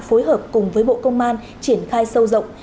phối hợp cùng với bộ công an triển khai sâu rộng